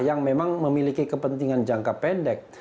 yang memang memiliki kepentingan jangka pendek